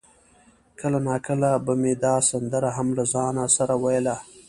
کله ناکله به مې دا سندره هم له ځانه سره ویله.